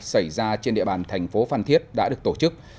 xảy ra trên địa bàn thành phố phan thiết đã được tổ chức